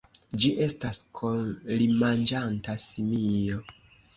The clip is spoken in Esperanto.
Ĝi estas folimanĝanta simio.